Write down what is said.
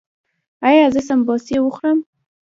ایا زه سموسې وخورم؟